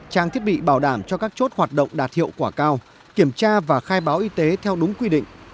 trang thiết bị bảo đảm cho các chốt hoạt động đạt hiệu quả cao kiểm tra và khai báo y tế theo đúng quy định